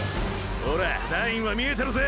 ほらラインは見えてるぜ！！